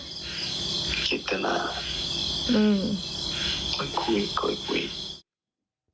อืม